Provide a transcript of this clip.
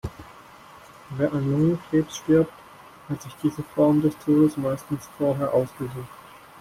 Wer an Lungenkrebs stirbt, hat sich diese Form des Todes meistens vorher ausgesucht.